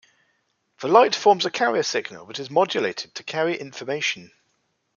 The light forms a carrier signal that is modulated to carry information.